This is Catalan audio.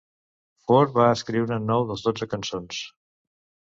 Ford va escriure nou dels dotze cançons.